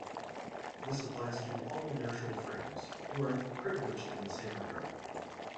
This applies to all inertial frames, who are privileged in the same regard.